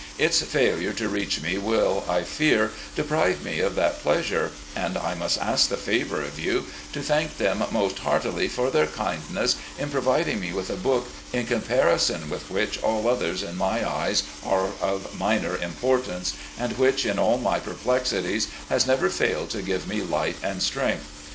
Its failure to reach me will, I fear, deprive me of that pleasure, and I must ask the favour of you to thank them most heartily for their kindness in providing me with a book in comparison with which all others in my eyes are of minor importance, and which in all my per plexities has never failed to give me light and strength.